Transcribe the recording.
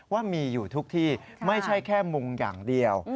ว่ามีอยู่ทุกที่ไม่ใช่แค่มุงอย่างเดียว